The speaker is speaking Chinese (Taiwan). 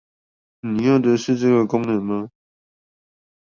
你要的是這個功能嗎？